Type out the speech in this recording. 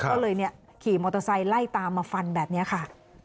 ก็เลยขี่มอเตอร์ไซค์ไล่ตามมาฟันแบบนี้ค่ะ